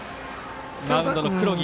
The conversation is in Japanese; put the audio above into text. マウンドの黒木。